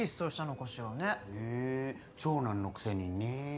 長男のくせにねぇ。